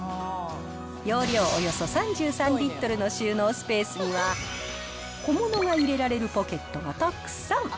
容量およそ３３リットルの収納スペースには、小物が入れられるポケットがたくさん。